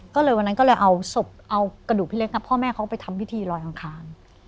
ก็เลยวันนั้นเอาสบเอากระดูกพี่เล็กครับพ่อแม่เค้าไปทำพิธีรอยข้างข้าง